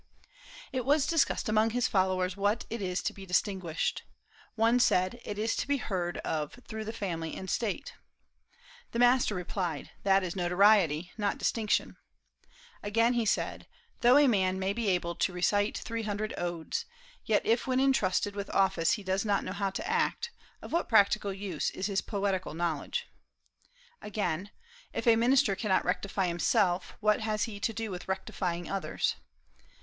It was discussed among his followers what it is to be distinguished. One said: "It is to be heard of through the family and State." The master replied: "That is notoriety, not distinction." Again he said: "Though a man may be able to recite three hundred odes, yet if when intrusted with office he does not know how to act, of what practical use is his poetical knowledge?" Again, "If a minister cannot rectify himself, what has he to do with rectifying others?"